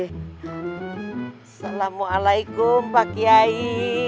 assalamualaikum pak kiai